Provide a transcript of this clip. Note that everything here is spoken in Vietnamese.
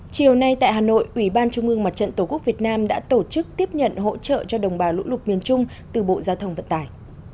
chiều nay tại hà nội ubnd tổ quốc việt nam đã tổ chức tiếp nhận hỗ trợ cho đồng bào lũ lụt miền trung từ bộ giao thông vận tải